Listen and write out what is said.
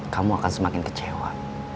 kamu akan semakin kecewa